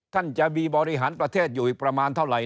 ท่านจะมีบริหารประเทศอยู่อีกประมาณเท่าไหร่